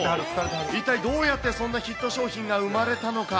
一体、どうやってそんなヒット商品が生まれたのか。